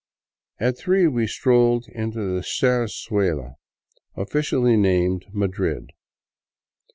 At three we strolled into Serrazuela, officially named Madrid.